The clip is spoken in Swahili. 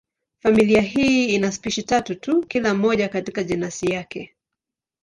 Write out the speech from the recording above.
Familia hii ina spishi tatu tu, kila moja katika jenasi yake.